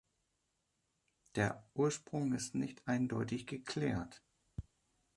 Der Ursprung ist nicht eindeutig geklärt.